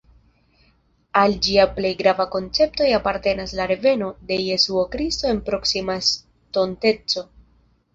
Al ĝia plej gravaj konceptoj apartenas la reveno de Jesuo Kristo en proksima estonteco.